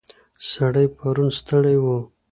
سړی پرون ستړی و.